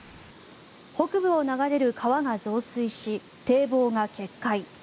北部を流れる川が増水し堤防が決壊。